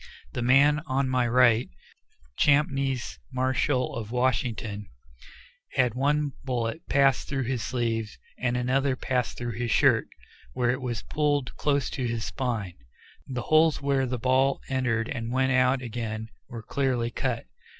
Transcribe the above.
The man on my right, Champneys Marshall, of Washington, had one bullet pass through his sleeve, and another pass through his shirt, where it was pulled close to his spine. The holes where the ball entered and went out again were clearly cut.